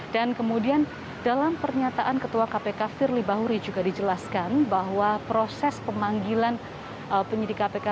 dan kemudian dalam pernyataan ketua kpk firly bahuri juga dijelaskan bahwa proses pemanggilan penyidik kpk